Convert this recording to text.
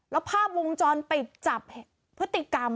แล้วภาพวงจรปิดจับพฤติกรรม